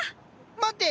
待って！